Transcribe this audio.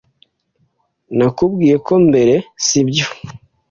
Nakubwiye ko mbere, sibyo?